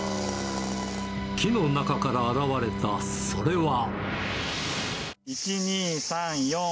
木の中から現れたそれは。